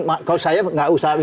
kalau saya nggak usah